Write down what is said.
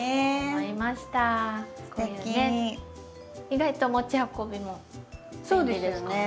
意外と持ち運びも便利ですからね。